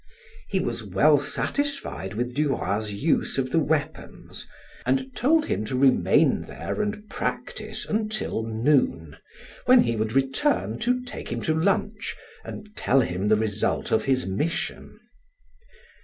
He was well satisfied with Duroy's use of the weapons, and told him to remain there and practice until noon, when he would return to take him to lunch and tell him the result of his mission.